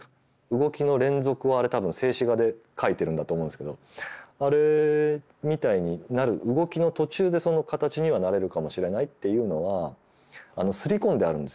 動きの連続をあれ多分静止画で描いてるんだと思うんですけどあれみたいになる動きの途中でその形にはなれるかもしれないっていうのは刷り込んであるんですよ。